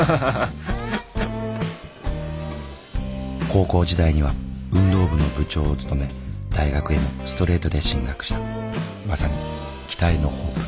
高校時代には運動部の部長を務め大学へもストレートで進学したまさに期待のホープ。